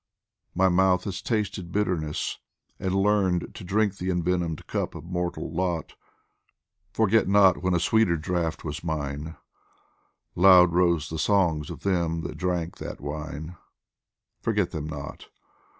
My mouth has tasted bitterness, and learned To drink the envenomed cup of mortal lot ; Forget not when a sweeter draught was mine, Loud rose the songs of them that drank that wine Forget them not